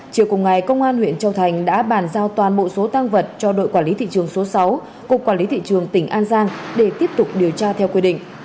chiều cùng ngày công an huyện châu thành đã bàn giao toàn bộ số tăng vật cho đội quản lý thị trường số sáu cục quản lý thị trường tỉnh an giang để tiếp tục điều tra theo quy định